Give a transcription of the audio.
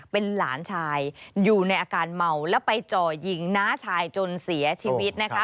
เป็นหลานชายอยู่ในอาการเมาแล้วไปจ่อยิงน้าชายจนเสียชีวิตนะคะ